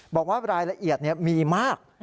บอกว่ารายละเอียดมีมาก